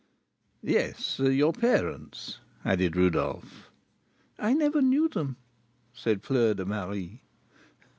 "Yes; your parents?" added Rodolph. "I never knew them," said Fleur de Marie.